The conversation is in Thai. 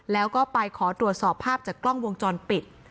แล้วก็ไปขอตรวจสอบภาพจากกล้องวงจรปิด